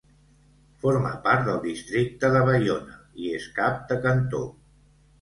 Forma part del districte de Baiona, i és cap de cantó.